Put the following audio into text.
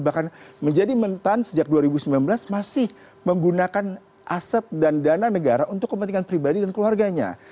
bahkan menjadi mentan sejak dua ribu sembilan belas masih menggunakan aset dan dana negara untuk kepentingan pribadi dan keluarganya